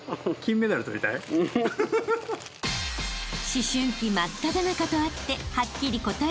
［思春期真っただ中とあってはっきり答えてくれず］